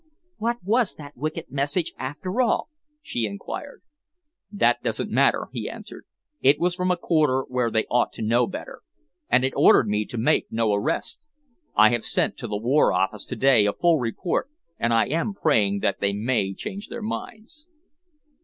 "What was that wicked message after all?" she enquired. "That doesn't matter," he answered. "It was from a quarter where they ought to know better, and it ordered me to make no arrest. I have sent to the War Office to day a full report, and I am praying that they may change their minds."